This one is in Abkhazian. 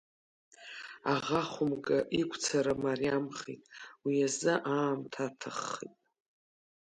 Аӷа хәымга иқәцара мариамхеит, уи азы аамҭа аҭаххеит.